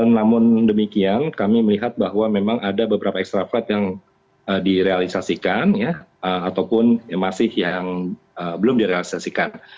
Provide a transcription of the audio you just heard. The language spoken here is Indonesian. namun demikian kami melihat bahwa memang ada beberapa ekstra flight yang direalisasikan ataupun masih yang belum direalisasikan